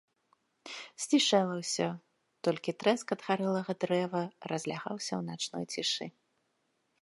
Сцішэла ўсё, толькі трэск ад гарэлага дрэва разлягаўся ў начной цішы.